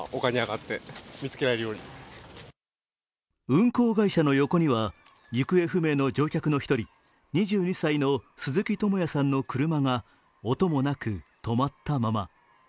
運航会社の横には行方不明の乗客の一人、２２歳の鈴木智也さんの車が音もなく、止まったまま。